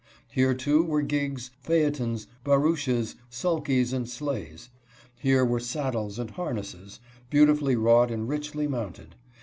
Here, too, were gigs, phaetons, barouches, sulkeys, and sleighs. Here were saddles and harnesses, beautifully wrought and richly mounted.